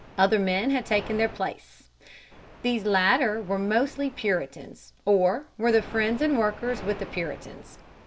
Other men had taken their places. These latter were mostly Puritans (p. 29) or were the friends and workers with the Puritans.